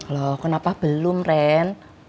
loh kenapa belum ren